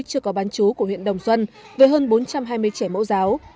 chưa có bán chú của huyện đồng xuân với hơn bốn trăm hai mươi trẻ mẫu giáo